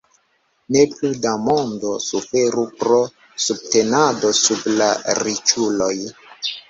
Ne plu la mondo suferu pro subtenado sub la riĉuloj